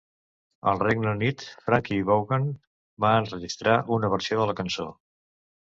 Al Regne Unit, Frankie Vaughan va enregistrar una versió de la cançó.